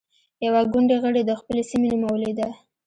يوه ګوندي غړې د خپلې سيمې نومولې ده.